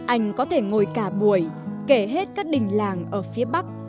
anh có thể ngồi cả buổi kể hết các đình làng ở phía bắc